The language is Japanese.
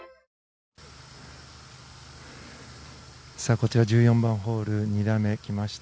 こちら、１４番ホール２打目、来ました。